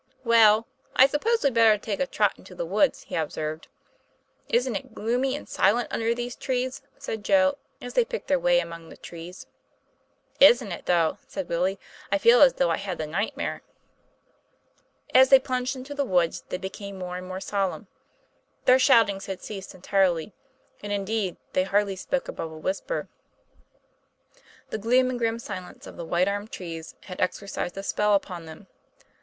'Well, I suppose we'd better take a trot into the woods," he observed. 'Isn't it gloomy and silent under these trees?" said Joe, as they picked their way among the trees. " Isn't it, though !" said Willie. " I feel as though I had the nightmare." As they plunged into the woods they became more and more solemn; their shoutings had ceased en tirely, and, indeed, they hardly spoke above a whisper. The gloom and grim silence of the white armed trees had exercised a spell upon them.